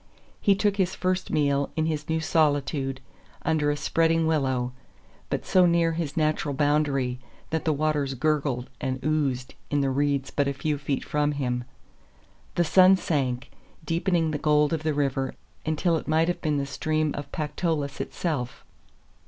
He took his first meal in his new solitude under a spreading willow, but so near his natural boundary that the waters gurgled and oozed in the reeds but a few feet from him. The sun sank, deepening the gold of the river until it might have been the stream of Pactolus itself.